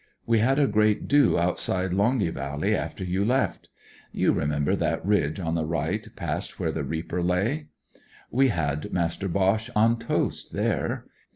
We had a great do outside Longyvally after you left. You remember that ridge on the right past where the reaper lay? We had Master Boche on toast there.